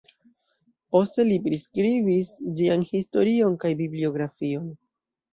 Poste li priskribis ĝian historion kaj bibliografion.